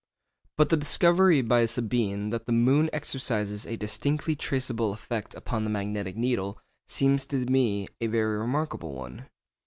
But the discovery by Sabine that the moon exercises a distinctly traceable effect upon the magnetic needle seems to me a very remarkable one.